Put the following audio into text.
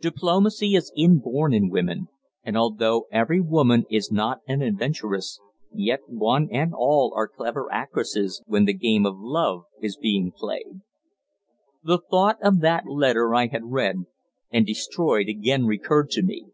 Diplomacy is inborn in woman, and although every woman is not an adventuress, yet one and all are clever actresses when the game of love is being played. The thought of that letter I had read and destroyed again recurred to me.